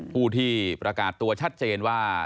ผู้ที่ประกาศตัวชัดเจนว่า